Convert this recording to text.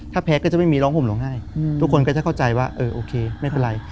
ถ้าแพ้ก็จะไม่มีร้องห่มร้องไห้ทุกคนก็จะเข้าใจว่าเออโอเคไม่เป็นไร